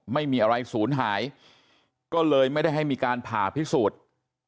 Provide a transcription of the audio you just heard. ไม่มีอะไรศูนย์หายก็เลยไม่ได้ให้มีการผ่าพิสูจน์